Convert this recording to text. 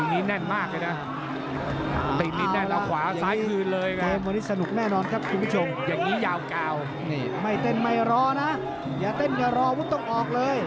แน่นอกแน่นอกแน่นอกแน่นอกแน่นอกแน่นอกแน่นอกแน่นอก